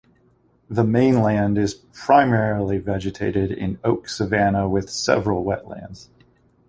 The mainland is primarily vegetated in oak savanna with several wetlands.